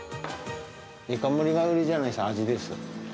デカ盛りが売りじゃない、味ですよ。